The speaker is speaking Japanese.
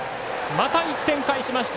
また１点返しました。